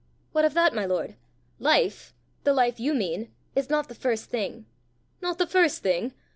"What of that, my lord! Life, the life you mean, is not the first thing." "Not the first thing!